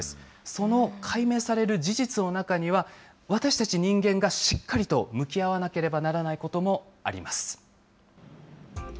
その解明される事実の中には、私たち人間がしっかりと向き合わなければならないこともあります。